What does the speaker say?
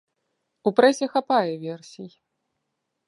У прэсе хапае версій.